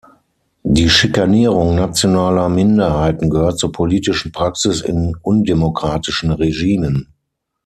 Die Schikanierung nationaler Minderheiten gehört zur politischen Praxis in undemokratischen Regimen.